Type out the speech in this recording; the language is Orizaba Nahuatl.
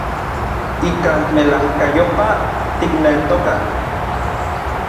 Ikan melajkayopaj tikneltokaj.